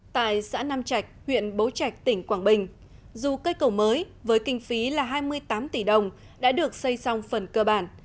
tại xã nam trạch huyện bố trạch tỉnh quảng bình dù cây cầu mới với kinh phí là hai mươi tám tỷ đồng đã được xây xong phần cơ bản